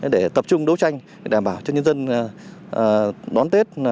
để tập trung đấu tranh đảm bảo cho nhân dân đón tết